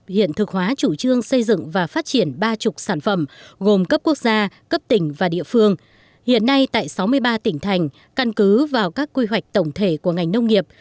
hiện nay tại sáu mươi ba tỉnh thành trên cả nước căn cứ vào các quy hoạch tổng thể của ngành nông nghiệp